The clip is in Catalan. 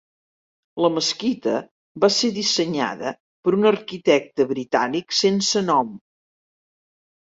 La mesquita va ser dissenyada per un arquitecte britànic sense nom.